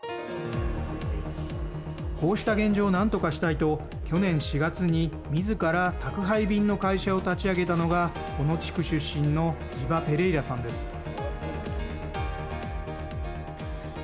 こうした現状を何とかしたいと去年４月に、自ら宅配便の会社を立ち上げたのが、この地区出身のジバ・ペレイラさんです。